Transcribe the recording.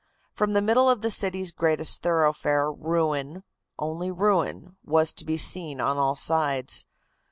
From the middle of the city's greatest thoroughfare ruin, only ruin, was to be seen on all sides.